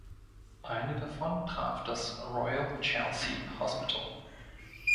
Eine davon traf das Royal Chelsea Hospital.